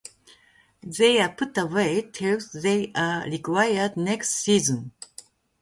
They are put away till they are required next season.